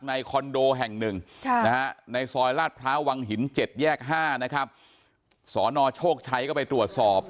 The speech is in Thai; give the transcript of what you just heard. ในคอนโดแห่ง๑ในซอยรหัสพระวังหิน๗แยก๕สนโชคชัยก็ไปตรวจสอบ